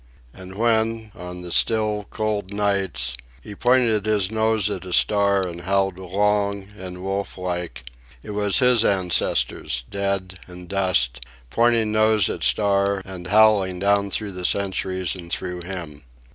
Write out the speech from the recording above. And when, on the still cold nights, he pointed his nose at a star and howled long and wolflike, it was his ancestors, dead and dust, pointing nose at star and howling down through the centuries and through him.